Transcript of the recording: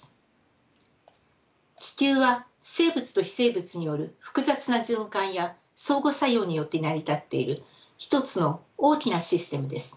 地球は生物と非生物による複雑な循環や相互作用によって成り立っている一つの大きなシステムです。